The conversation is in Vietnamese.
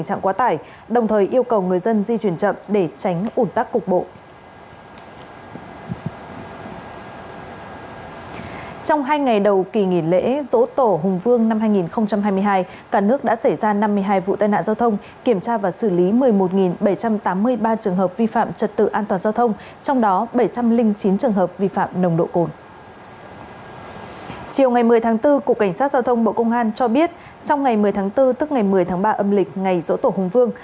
chiều ngày một mươi tháng bốn cục cảnh sát giao thông bộ công an cho biết trong ngày một mươi tháng bốn tức ngày một mươi tháng ba âm lịch ngày rỗ tổ hùng vương